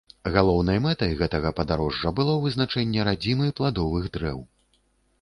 Галоўнай мэтай гэтага падарожжа было вызначэнне радзімы пладовых дрэў.